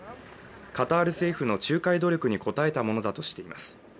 カタール政府の仲介努力に応えたものだとしています。